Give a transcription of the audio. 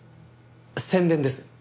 宣伝です。